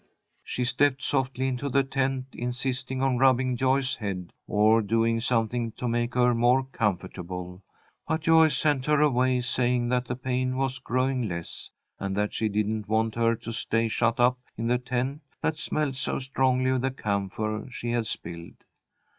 She stepped softly into the tent, insisting on rubbing Joyce's head, or doing something to make her more comfortable, but Joyce sent her away, saying that the pain was growing less, and that she didn't want her to stay shut up in the tent that smelled so strongly of the camphor she had spilled.